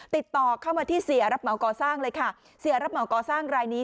ติดต่อเข้ามาที่เสียรับเหมาก่อสร้างเลยค่ะเสียรับเหมาก่อสร้างรายนี้